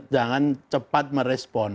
jangan cepat merespon